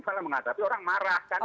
malah menghadapi orang marah kan gitu